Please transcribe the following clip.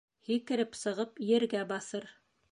Һикереп сығып, ергә баҫыр.